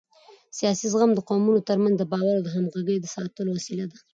سیاسي زغم د قومونو ترمنځ د باور او همغږۍ د ساتلو وسیله ده